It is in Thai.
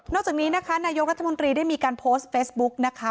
จากนี้นะคะนายกรัฐมนตรีได้มีการโพสต์เฟซบุ๊กนะคะ